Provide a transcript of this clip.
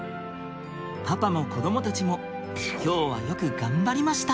パパも子どもたちも今日はよく頑張りました！